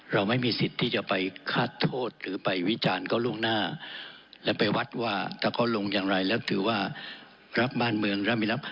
เราไม่มีสิทธิ์ที่จะไปฆาตโทษหรือไปวิจารณ์เขาล่วงหน้าและไปวัดว่าถ้าเขาลงอย่างไรแล้วถือว่ารับบ้านเมืองรับไม่รับ